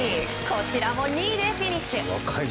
こちらも２位でフィニッシュ。